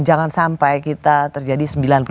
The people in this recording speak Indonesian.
jangan sampai kita terjadi sembilan puluh delapan